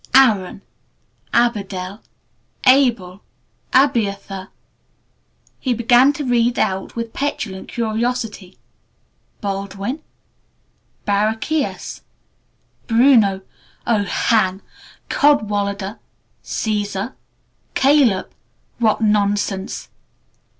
"Aaron Abidel Abel Abiathar " he began to read out with petulant curiosity, "Baldwin Barachias Bruno (Oh, hang!) Cadwallader Cæsar Caleb (What nonsense!)